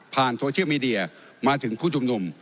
ผ่านโทเชียลมีเดียมาถึงผู้จุ่ม